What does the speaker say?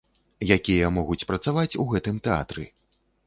Якія могуць працаваць у гэтым тэатры.